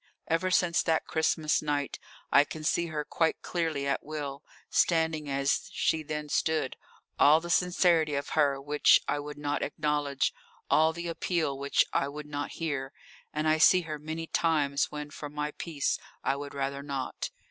Ever since that Christmas night I can see her quite clearly at will, standing as she then stood all the sincerity of her which I would not acknowledge, all the appeal which I would not hear; and I see her many times when for my peace I would rather not.